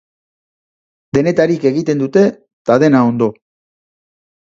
Denetarik egiten dute eta dena ondo.